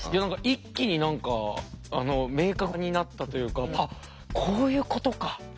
一気に何か明確になったというか「あっこういうことか」っていう。